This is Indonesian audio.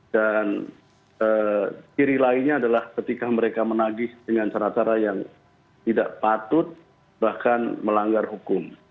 ciri lainnya adalah ketika mereka menagih dengan cara cara yang tidak patut bahkan melanggar hukum